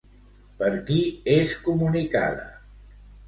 Per qui és comunicada?